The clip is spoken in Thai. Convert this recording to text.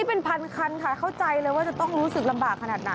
เป็นพันคันค่ะเข้าใจเลยว่าจะต้องรู้สึกลำบากขนาดไหน